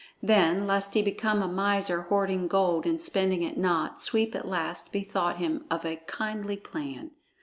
Then, lest he become a miser hoarding gold and spending it not, Sweep at last bethought him of a kindly plan.